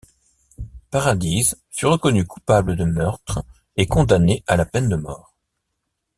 Paradies fut reconnue coupable de meurtre et condamnée à la peine de mort.